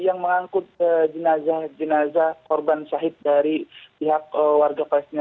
yang mengangkut jenazah jenazah korban syahid dari pihak warga palestina